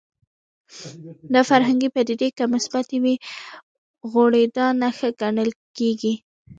دا فرهنګي پدیدې که مثبتې وي غوړېدا نښه ګڼل کېږي